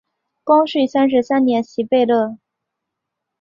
光绪三十三年袭贝勒。